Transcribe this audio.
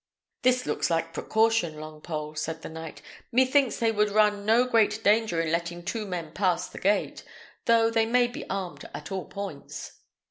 "This looks like precaution, Longpole," said the knight. "Methinks they would run no great danger in letting two men pass the gate, though they may be armed at all points."